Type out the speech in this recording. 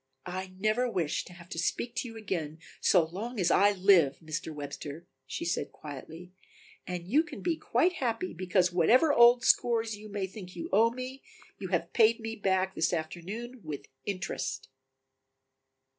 "I never wish to have to speak to you again so long as I live, Mr. Webster," she said quietly, "And you can be quite happy, because whatever old scores you may think you owe me, you have paid me back this afternoon with interest."